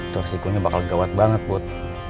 tuh resikonya bakal gawat banget put